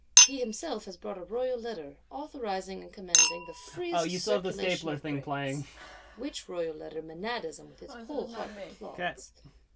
He himself has brought a Royal Letter, authorising and commanding the freest "circulation of grains." Which Royal Letter Menadism with its whole heart applauds.